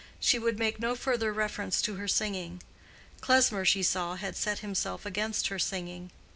She would make no further reference to her singing; Klesmer, she saw, had set himself against her singing.